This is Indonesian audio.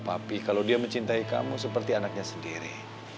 oh pak pi kalau dia mencintai kamu seperti anaknya sendiri